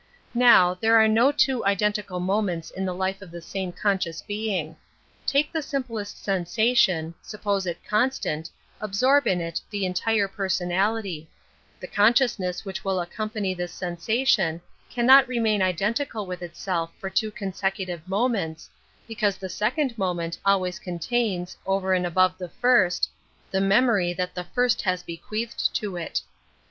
Now, there are no two ideutical ■ moments in the life of the same conscious being. Take the simplest sensation, sup pose it constant, absorb in it the entire personality: the consciousness which will accompany this sensation cannot remain identical with itself for two consecutive momenta, because the second moment al ways contains, over and above the first, the memory that the first has bequeathed to it.